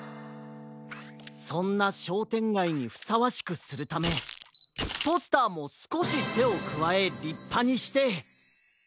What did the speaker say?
そんなしょうてんがいにふさわしくするためポスターもすこしてをくわえりっぱにして。